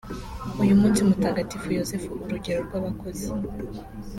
Uyu munsi Mutagatifu Yozefu urugero rw’abakozi